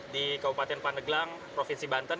di kabupaten pandeglang provinsi banten